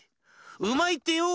うまいってよ。